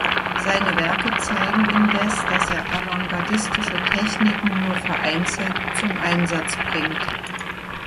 Seine Werke zeigen indes, dass er avantgardistische Techniken nur vereinzelt zum Einsatz bringt.